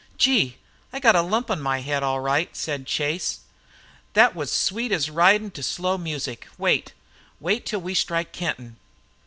"Gee! I got a lump on my head, all right," said Chase. "Thet was sweet as ridin' to slow music. Wait, wait till we strike Kenton."